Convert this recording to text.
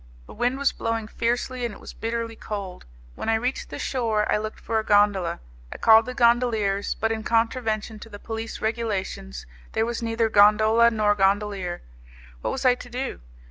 The wind was blowing fiercely, and it was bitterly cold. When I reached the shore, I looked for a gondola, I called the gondoliers, but, in contravention to the police regulations, there was neither gondola nor gondolier. What was I to do?